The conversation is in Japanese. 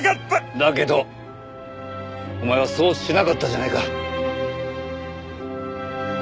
だけどお前はそうしなかったじゃないか。